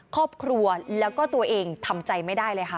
ครอบครัวแล้วก็ตัวเองทำใจไม่ได้เลยค่ะ